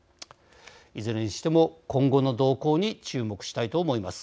いずれにしても今後の動向に注目したいと思います。